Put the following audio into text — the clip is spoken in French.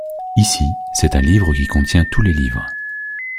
Ici, c'est un livre qui contient tous les livres.